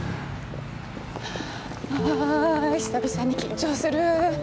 あ久々に緊張する。